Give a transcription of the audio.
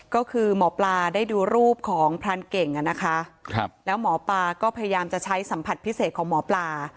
ก็คือหมอปลาได้ดูรูปของพรานเก่งนะคะแล้วหมอปลาก็พยายามจะใช้สัมผัสพิเศษของหมอปลา